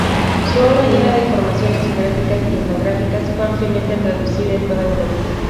Su obra, llena de informaciones geográficas y etnográficas, fue ampliamente traducida en toda Europa.